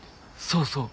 そうそう。